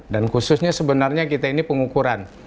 dan khususnya sebenarnya kita ini pengukuran